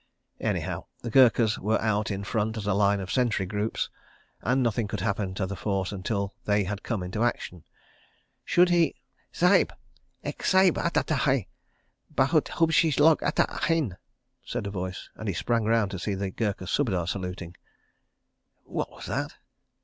. Anyhow, the Gurkhas were out in front as a line of sentry groups, and nothing could happen to the force until they had come into action. ... Should he— "Sahib! Ek Sahib ata hai. ... Bahut hubshi log ata hain," said a voice, and he sprang round, to see the Gurkha Subedar saluting. What was that?